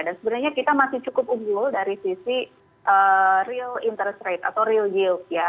dan sebenarnya kita masih cukup unggul dari sisi real interest rate atau real yield ya